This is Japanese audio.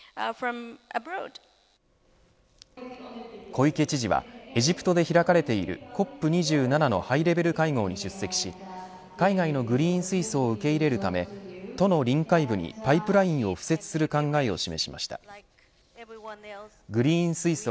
小池知事はエジプトで開かれているＣＯＰ２７のハイレベル会合に出席し海外のグリーン水素を受け入れるため都の臨海部にパイプラインを敷設する考えを示しました。